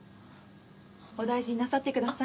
お大事になさってください。